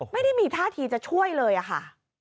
ไม่ได้มีท่าทีจะช่วยเลยค่ะ